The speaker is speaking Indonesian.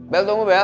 bel tunggu bel